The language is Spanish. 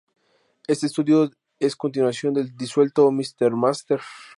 Este estudio es continuación del disuelto Mr Master.